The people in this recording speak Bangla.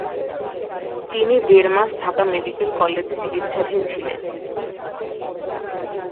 তিনি দেড় মাস ঢাকা মেডিকেল কলেজে চিকিৎসাধীন ছিলেন।